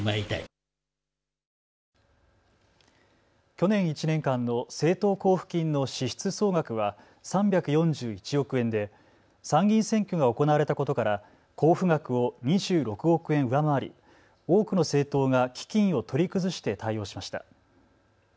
去年１年間の政党交付金の支出総額は３４１億円で参議院選挙が行われたことから交付額を２６億円上回り多くの政党が基金を取り崩して対応しました。